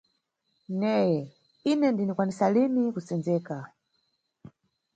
Neye, ine ndinikwanisa lini kusenzeka.